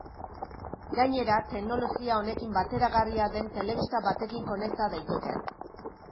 Gainera teknologia honekin bateragarria den telebista batekin konekta daiteke.